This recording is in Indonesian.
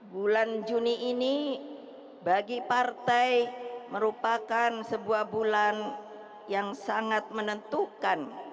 bulan juni ini bagi partai merupakan sebuah bulan yang sangat menentukan